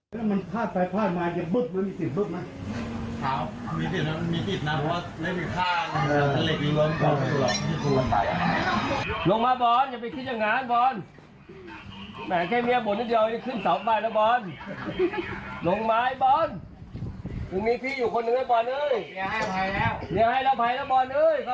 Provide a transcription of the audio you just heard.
เฮ้ยเข้าบ้านอย่างดีบอร์น